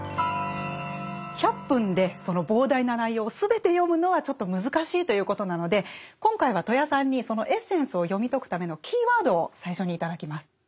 １００分でその膨大な内容を全て読むのはちょっと難しいということなので今回は戸谷さんにそのエッセンスを読み解くためのキーワードを最初に頂きます。